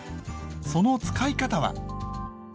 その使い方は？